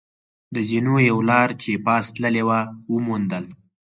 د زینو یوه لار چې پاس تللې وه، و موندل.